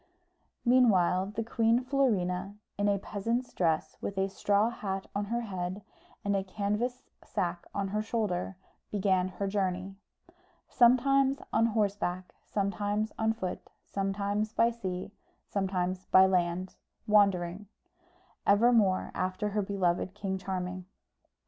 Meanwhile the Queen Florina, in a peasant's dress, with a straw hat on her head, and a canvas sack on her shoulder, began her journey: sometimes on horseback, sometimes on foot, sometimes by sea, sometimes by land, wandering; evermore after her beloved King Charming.